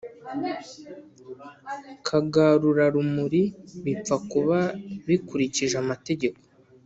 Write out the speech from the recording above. Kagarurarumuri bipfa kuba bikurikije amategeko